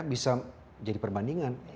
bisa jadi perbandingan